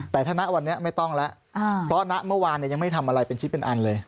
แต่ถ้าณวันนี้ไม่ต้องแล้วเพราะณเมื่อวานยังไม่ทำอะไรเป็นชิ้นเป็นอันเลย